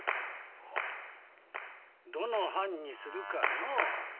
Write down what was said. どの藩にするかな？